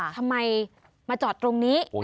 ทำไมมาจอดตรงนี้